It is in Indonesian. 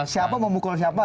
siapa memukul siapa